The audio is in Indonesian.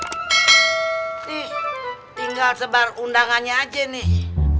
ini tinggal sebar undangannya aja nih